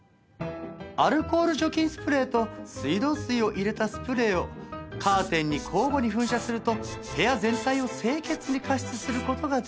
アルコール除菌スプレーと水道水を入れたスプレーをカーテンに交互に噴射すると部屋全体を清潔に加湿する事ができます。